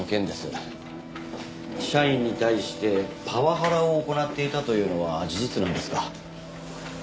社員に対してパワハラを行っていたというのは事実なんですか？